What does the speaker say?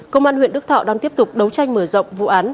công an huyện đức thọ đang tiếp tục đấu tranh mở rộng vụ án